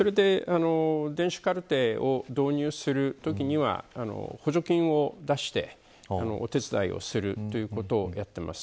電子カルテを導入するときには補助金を出してお手伝いをするということをやっています。